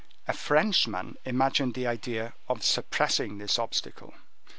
A Frenchman imagined the idea of suppressing this obstacle."